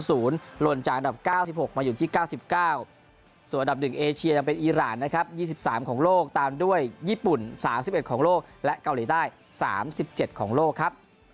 ส่วนอันดับ๑เอเชียยังเป็นอีรานนะครับ๒๓ของโลกตามด้วยญี่ปุ่น๓๑ของโลกและเกาหลีใต้๓๗ของโลกครับ